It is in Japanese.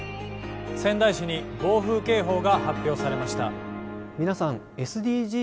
仙台市に暴風警報が発表されました。